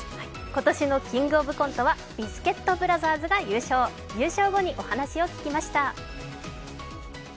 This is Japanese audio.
今年の「キングオブコント」はビスケットブラザーズが優勝、優勝後にお話を聞きました。